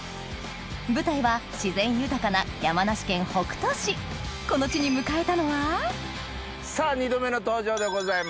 本日の舞台は自然豊かなこの地に迎えたのはさぁ２度目の登場でございます。